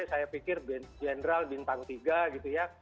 saya pikir general bintang tiga gitu ya